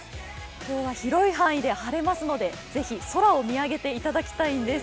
今日は広い範囲で晴れますので是非、空を見上げていただきたいんです。